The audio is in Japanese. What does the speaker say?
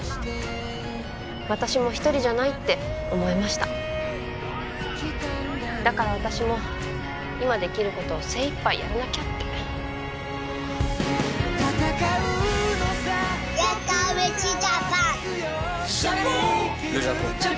私も一人じゃないって思えましただから私も今できることを精いっぱいやらなきゃってＪＡＰＯＮ！